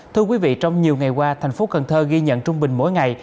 thưa quý vị trong nhiều ngày qua thành phố cần thơ ghi nhận trung bình mỗi ngày